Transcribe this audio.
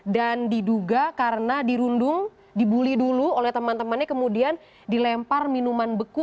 dan diduga karena dirundung dibuli dulu oleh teman temannya kemudian dilempar minuman beku